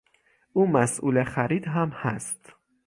او مسئول خرید هم هست.